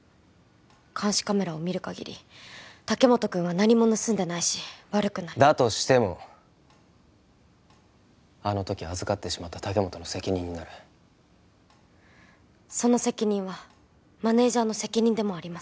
監視カメラを見る限り竹本くんは何も盗んでないし悪くないだとしてもあのとき預かってしまった竹本の責任になるその責任はマネージャーの責任でもあります